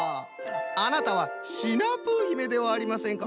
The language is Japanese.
あなたはシナプーひめではありませんか。